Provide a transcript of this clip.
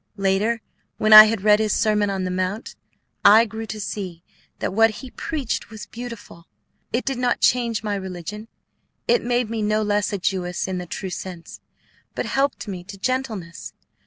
Later, when I had read his 'Sermon on the Mount,' I grew to see that what he preached was beautiful. It did not change my religion; it made me no less a Jewess in the true sense, but helped me to gentleness.